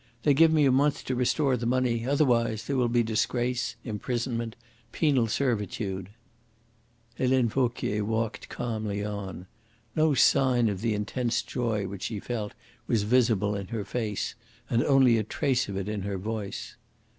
"They give me a month to restore the money. Otherwise there will be disgrace, imprisonment, penal servitude." Helene Vauquier walked calmly on. No sign of the intense joy which she felt was visible in her face, and only a trace of it in her voice.